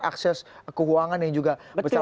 akses keuangan yang juga besar